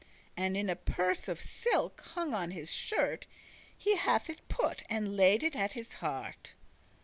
And in a purse of silk, hung on his shirt, He hath it put, and laid it at his heart.